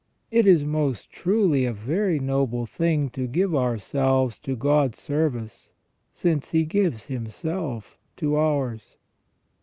It is most truly a very noble thing to give ourselves to God's service, since He gives Himself to ours.